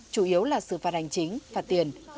chủ yếu là xử phạt hành chính phạt tiền